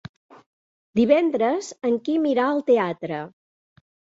Divendres en Quim irà al teatre.